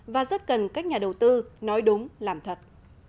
và rất cần các nhà đầu tư nói đúng làm thật